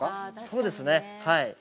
そうですね、はい。